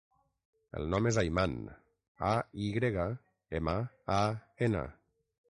El nom és Ayman: a, i grega, ema, a, ena.